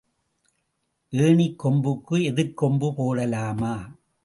ஏணிக் கொம்புக்கு எதிர்க் கொம்பு போடலாமா?